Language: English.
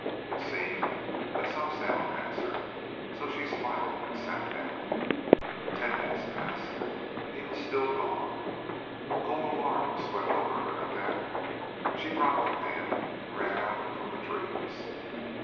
It seemed that some sound answered, so she smiled and sat down. Ten minutes passed and he was still gone. A cold alarm swept over her at that. She dropped the pan and ran out from the trees.